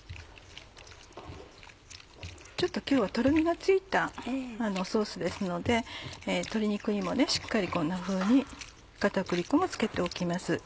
ちょっと今日はとろみがついたソースですので鶏肉にもしっかりこんなふうに片栗粉も付けておきます。